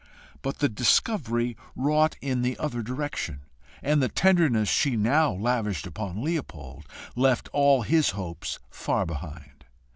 But the discovery wrought in the other direction, and the tenderness she now lavished upon Leopold left all his hopes far behind.